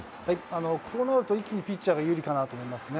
こうなると一気にピッチャーが有利かなと思いますね。